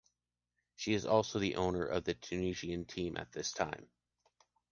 She is also the owner of the Tunisian team at this time.